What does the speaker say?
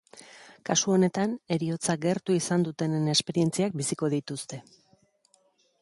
Kasu honetan, heriotza gertu izan dutenen esperientziak biziko dituzte.